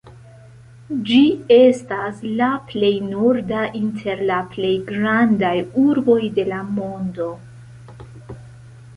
Ĝi estas la plej norda inter la plej grandaj urboj de la mondo.